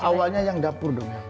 awalnya yang dapur dong